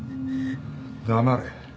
黙れ。